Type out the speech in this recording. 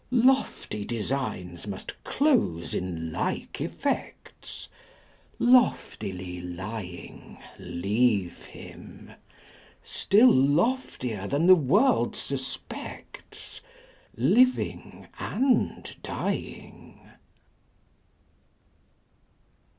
Lofty designs must close in like effects: 145 Loftily lying, Leave him still loftier than the world suspects, Living and dying.